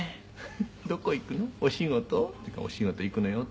「“どこ行くの？お仕事？”って言うから“お仕事行くのよ”って」